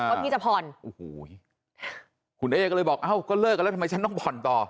พี่จะผ่อนโอ้โหคุณเอ๊ก็เลยบอกเอ้าก็เลิกกันแล้วทำไมฉันต้องผ่อนต่อ